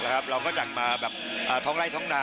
เราก็จัดมาแบบท้องไล่ท้องนา